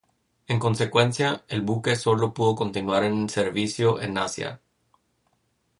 En consecuencia, el buque sólo pudo continuar en servicio en Asia.